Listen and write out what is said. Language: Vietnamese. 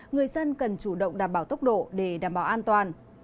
người dân cần chủ động đảm bảo tốc độ để đảm bảo an toàn